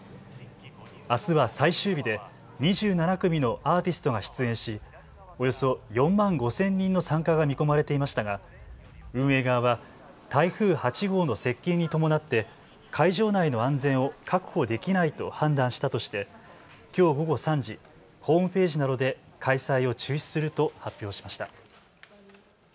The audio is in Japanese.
あすは最終日で２７組のアーティストが出演しおよそ４万５０００人の参加が見込まれていましたが運営側は台風８号の接近に伴って会場内の安全を確保できないと判断したとしてきょう午後３時、ホームページなどで開催を中止すると発表しました。